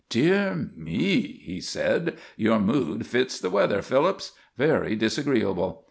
"Dear me," he said, "your mood fits the weather, Phillips; very disagreeable.